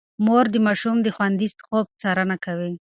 مور د ماشوم د خوندي خوب څارنه کوي.